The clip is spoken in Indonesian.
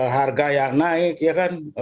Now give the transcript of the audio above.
harga yang naik ya kan